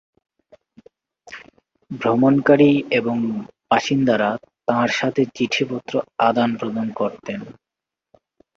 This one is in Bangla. ভ্রমণকারী এবং বাসিন্দারা তাঁর সাথে চিঠিপত্র আদান-প্রদান করতেন।